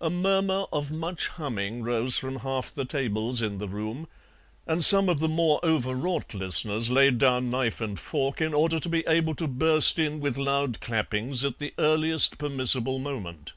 A murmur of much humming rose from half the tables in the room, and some of the more overwrought listeners laid down knife and fork in order to be able to burst in with loud clappings at the earliest permissible moment.